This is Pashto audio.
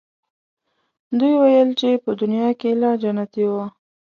دوی ویل چې په دنیا کې لا جنتیی وو.